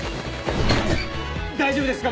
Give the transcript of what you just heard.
大丈夫ですか？